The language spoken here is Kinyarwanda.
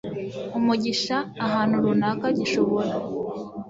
umugisha ahantu runaka gishobora